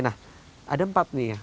nah ada empat nih ya